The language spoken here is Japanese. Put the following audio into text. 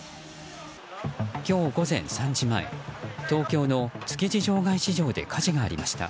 今日午前３時前東京の築地場外市場で火事がありました。